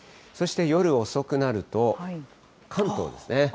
そして夜遅くなると、関東ですね。